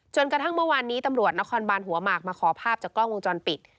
จนกระทั่งเมื่อวานนี้ตำรวจนครบานหัวหมากมาขอภาพจากกล้องวงจรปิด